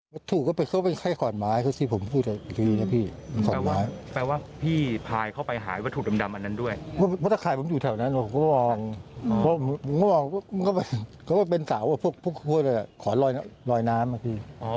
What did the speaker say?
วัตถุก็เป็นใครขอนไม้ก็ที่ผมพูดอีกทีนะพี่ขอนไม้